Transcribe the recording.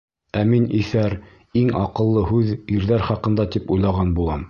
Ә мин, иҫәр, иң аҡыллы һүҙ ирҙәр хаҡында, тип уйлаған булам...